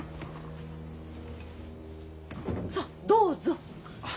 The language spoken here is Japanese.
さっどうぞ。